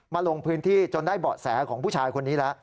ลงพื้นที่จนได้เบาะแสของผู้ชายคนนี้แล้ว